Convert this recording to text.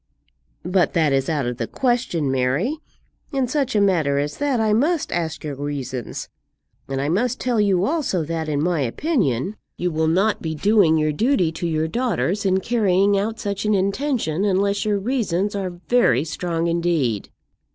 "But that is out of the question, Mary. In such a matter as that I must ask your reasons; and I must tell you also that, in my opinion, you will not be doing your duty to your daughters in carrying out such an intention, unless your reasons are very strong indeed."